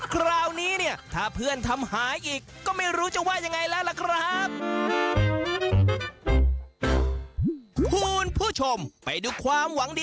คราวนี้เนี่ยถ้าเพื่อนทำหายอีกก็ไม่รู้จะว่ายังไงแล้วล่ะครับ